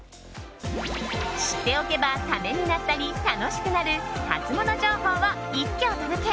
知っておけばためになったり楽しくなるハツモノ情報を一挙お届け。